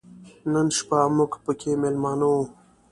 نن شپه موږ پکې مېلمانه و.